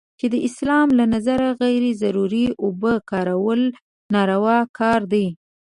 چې د اسلام له نظره غیر ضروري اوبو کارونه ناروا کار دی.